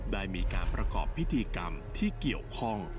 ได้มีการประกอบพิธีกรรมที่เกี่ยวข้อง